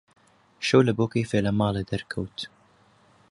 شەو لەبۆ کەیفێ لە ماڵێ دەرکەوت: